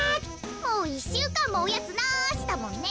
もう１しゅうかんもおやつなしだもんね。